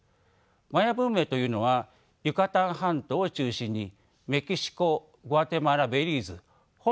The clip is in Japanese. マヤ文明というのはユカタン半島を中心にメキシコグアテマラベリーズホンジュラスで栄えました。